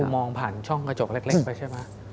มองผ่านช่องกระจกเล็กไปใช่ไหม